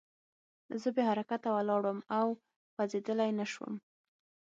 زه بې حرکته ولاړ وم او خوځېدلی نه شوم